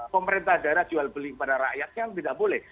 pemerintah daerah jual beli kepada rakyatnya tidak boleh